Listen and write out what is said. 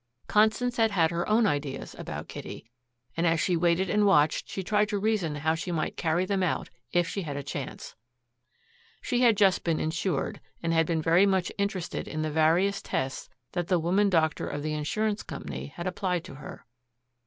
Constance had had her own ideas about Kitty. And as she waited and watched, she tried to reason how she might carry them out if she had a chance. She had just been insured, and had been very much interested in the various tests that the woman doctor of the insurance company had applied to her.